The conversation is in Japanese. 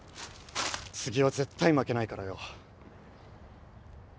次は絶対負けないからよ。